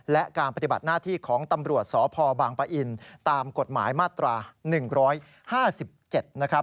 และการปฏิบัติหน้าที่ของตำรวจสพบางปะอินตามกฎหมายมาตรา๑๕๗นะครับ